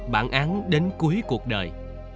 bản án đến cuối cuộc đời